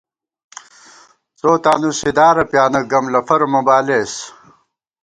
څو تانُو سِدارہ پیانہ گم لفَرہ مہ بالېس